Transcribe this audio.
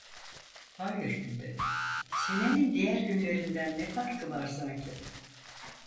"Hayır" dedi, "senenin diğer günlerinden ne farkı var sanki?"